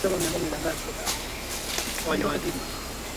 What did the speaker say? rfi imemtafuta ojwang kina